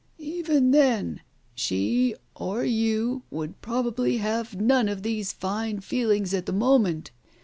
"Even then, she or you would probably have none of these fine feelings at the moment.